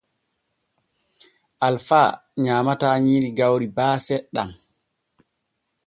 Alfa nyaamataa nyiiri gawri baa seɗɗa.